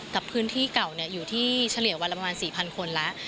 กับพื้นที่เก่าอยู่ที่เฉลี่ยวันละประมาณ๔๐๐คนแล้ว